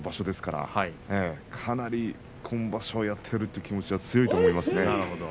ですから今場所は、やってやるという気持ちが強いと思います。